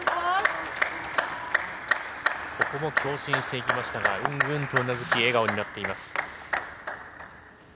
ここも強振していきましたがうんうんとうなずき笑顔になっています。